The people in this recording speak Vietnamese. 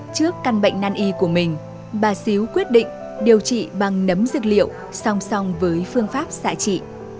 trước căn bệnh năn y của mình bà xíu quyết định điều trị bằng nấm dược liệu song song với phương pháp xạ trị